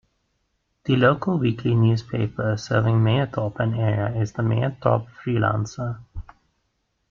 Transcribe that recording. The local weekly newspaper serving Mayerthorpe and area is the "Mayerthorpe Freelancer".